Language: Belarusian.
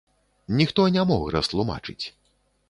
Ніхто не мог растлумачыць.